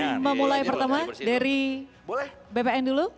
saya memulai pertama dari bpn dulu